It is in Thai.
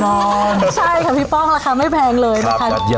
ใช่ค่ะพี่ป้องราคาไม่แพงเลยแล้วกัน